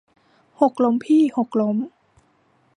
หกล้มพี่ หกล้ม